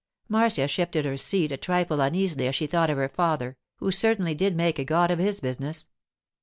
Marcia shifted her seat a trifle uneasily as she thought of her father, who certainly did make a god of his business.